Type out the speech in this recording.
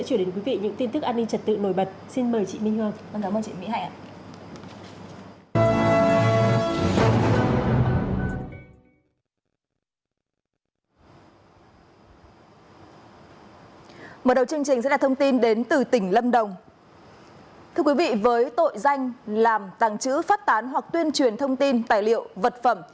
thưa quý vị với tội danh làm tàng trữ phát tán hoặc tuyên truyền thông tin tài liệu vật phẩm